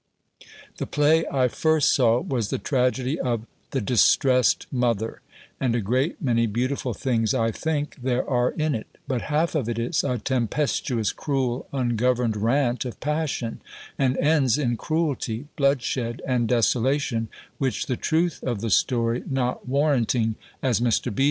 The play I first saw was the tragedy of The Distressed Mother; and a great many beautiful things I think there are in it: but half of it is a tempestuous, cruel, ungoverned rant of passion, and ends in cruelty, bloodshed, and desolation, which the truth of the story not warranting, as Mr. B.